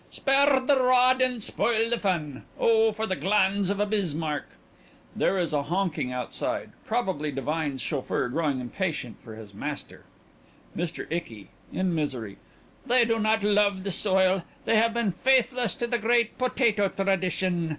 Spare the rod and spoil the fun. Oh, for the glands of a Bismarck. (There is a honking outside probably DIVINE'S chauffeur growing impatient for his master.) MR. ICKY: (In misery) They do not love the soil! They have been faithless to the Great Potato Tradition!